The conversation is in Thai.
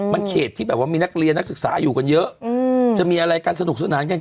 มันเขตที่แบบว่ามีนักเรียนนักศึกษาอยู่กันเยอะจะมีอะไรกันสนุกสนานกัน